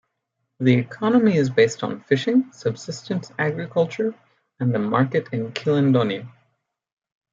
The economy is based on fishing, subsistence agriculture and the market in Kilindoni.